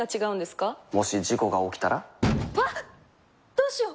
どうしよう